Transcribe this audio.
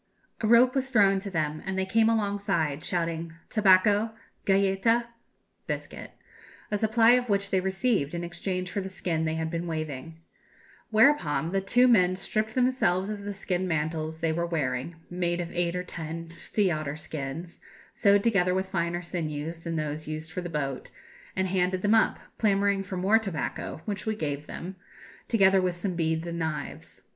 A rope was thrown to them, and they came alongside, shouting "Tabáco, galléta" (biscuit), a supply of which they received, in exchange for the skin they had been waving; "whereupon the two men stripped themselves of the skin mantles they were wearing, made of eight or ten sea otter skins, sewed together with finer sinews than those used for the boat, and handed them up, clamouring for more tobacco, which we gave them, together with some beads and knives."